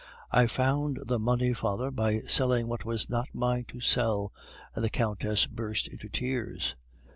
"I found the money, father, by selling what was not mine to sell," and the Countess burst into tears.